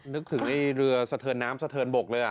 นึกถึงไอ้เรือสะเทินน้ำสะเทินบกเลย